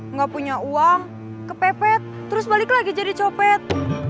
nggak punya uang kepepet terus balik lagi jadi copet